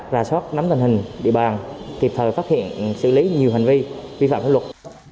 ra soát nắm tình hình địa bàn kịp thời phát hiện xử lý nhiều hành vi vi phạm pháp luật